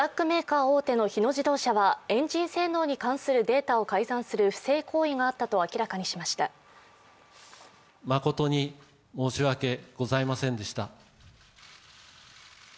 メーカー大手の日野自動車はエンジン性能に関するデータを改ざんする不正行為があったと明らかにしました。